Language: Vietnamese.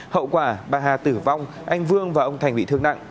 hậu quả bà hà tử vong anh vương và ông thành bị thương nặng